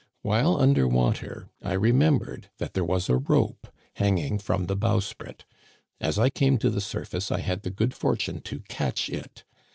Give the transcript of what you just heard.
While under water I remembered that there was a rope hanging from the bowsprit. As I came to the surface I had the good fortune to catch it.